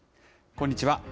こんにちは。